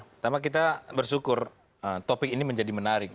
pertama kita bersyukur topik ini menjadi menarik